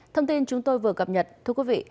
thông tin chúng tôi vừa cập nhật thưa quý vị